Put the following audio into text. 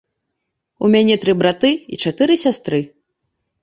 У мяне тры браты і чатыры сястры.